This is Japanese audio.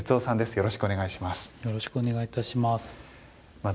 よろしくお願いします。